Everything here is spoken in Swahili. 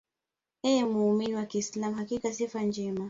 Ewe muumini wa kiislam Hakika sifa njema